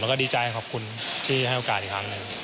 แล้วก็ดีใจขอบคุณที่ให้โอกาสอีกครั้งหนึ่ง